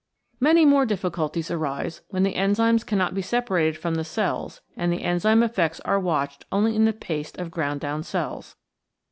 Many more difficulties arise when the enzymes cannot be separated from the cells and the enzyme effects are watched only in the paste of ground down cells.